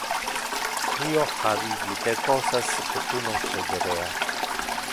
Io ha vivite cosas que tu non crederea.